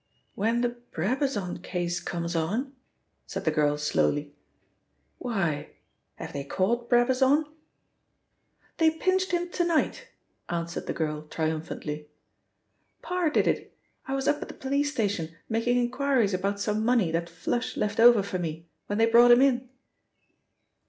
"When the Brabazon case comes on!" said the girl slowly. "Why? Have they caught Brabazon?" "They pinched him to night," answered the girl triumphantly. "Parr did it: I was up at the police station making inquiries about some money that 'Flush' left over for me, when they brought him in."